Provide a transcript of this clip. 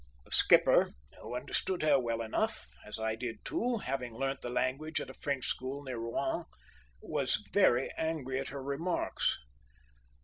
The skipper, who understood her well enough, as I did too, having learnt the language at a French school near Rouen, was very angry at her remarks.